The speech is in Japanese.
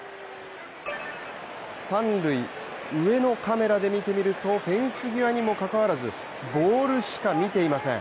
三塁、上のカメラで見てみるとフェンス際にもかかわらずボールしか見ていません。